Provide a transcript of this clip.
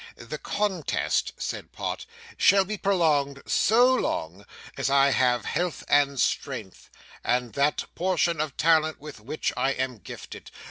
'The contest,' said Pott, 'shall be prolonged so long as I have health and strength, and that portion of talent with which I am gifted.